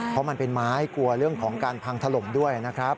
เพราะมันเป็นไม้กลัวเรื่องของการพังถล่มด้วยนะครับ